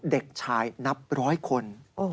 เด็กชายนับร้อยคน